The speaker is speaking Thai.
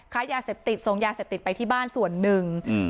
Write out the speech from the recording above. ค้ายาเสพติดส่งยาเสพติดไปที่บ้านส่วนหนึ่งอืม